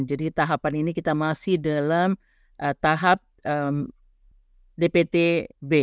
jadi tahapan ini kita masih dalam tahap dptb